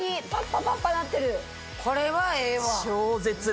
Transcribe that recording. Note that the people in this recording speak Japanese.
これはええわ。